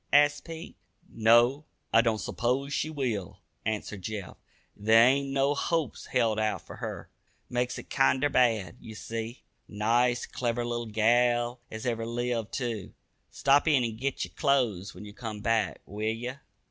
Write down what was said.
asked Pete. "No; I don't s'pose she will," answered Jeff. "There ain't no hopes held out fer her. Makes it kinder bad, ye see. Nice, clever little gal as ever lived, too. Stop in an' git yer clo'es when ye come back, will ye?"